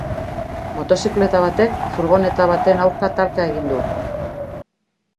Motozikleta batek furgoneta baten aurka talka egin du.